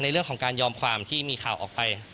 เรื่องของการยอมความที่มีข่าวออกไป